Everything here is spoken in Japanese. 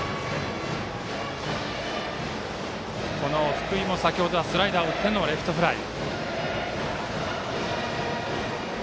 福井もスライダーを打ってのレフトフライ。